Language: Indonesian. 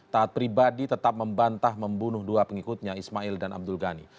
taat pribadi tetap membantah membunuh dua pengikutnya ismail dan abdul ghani